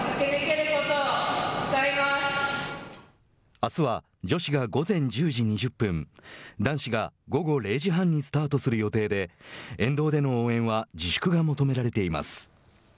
あすは女子が午前１０時２０分男子が午後０時半にスタートする予定で沿道での応援は自粛が求められています。